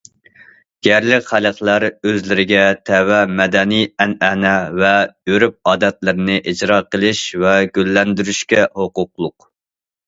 يەرلىك خەلقلەر ئۆزلىرىگە تەۋە مەدەنىي ئەنئەنە ۋە ئۆرپ- ئادەتلىرىنى ئىجرا قېلىش ۋە گۈللەندۈرۈشكە ھوقۇقلۇق.